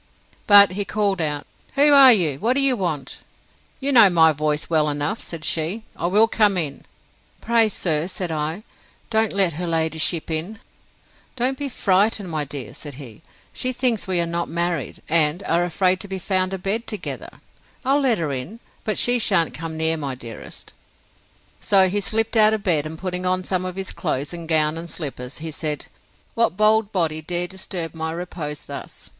But he called out; Who are you? What do you want?—You know my voice well enough, said she:—I will come in.—Pray, sir, said I, don't let her ladyship in.—Don't be frightened, my dear, said he; she thinks we are not married, and are afraid to be found a bed together. I'll let her in; but she shan't come near my dearest. So he slipt out of bed, and putting on some of his clothes, and gown and slippers, he said, What bold body dare disturb my repose thus?